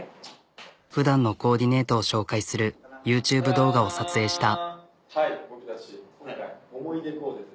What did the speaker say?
ふだんのコーディネートを紹介するＹｏｕＴｕｂｅ動画を撮影した。